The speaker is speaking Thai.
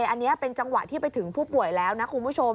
อันนี้เป็นจังหวะที่ไปถึงผู้ป่วยแล้วนะคุณผู้ชม